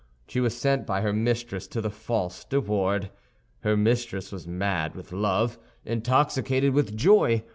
She was sent by her mistress to the false De Wardes. Her mistress was mad with love, intoxicated with joy.